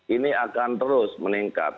ini akan terus meningkat